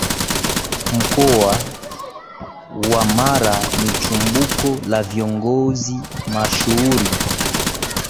Mkoa wa Mara ni chimbuko la Viongozi mashuhuri